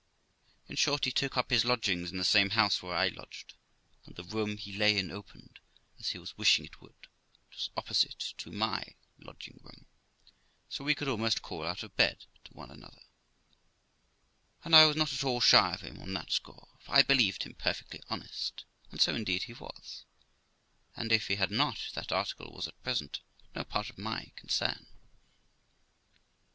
In short, he took up his lodgings in the same house where I lodged, and the room he lay in opened, as he was wishing it would, just opposite to my lodging room, so we could almost call out of bed to one another; and I was not at all shy of him on that score, for I believed him perfectly honest, and so indeed he was; and if he had not, that article was at present no part of my concern.